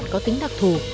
có tính đặc thù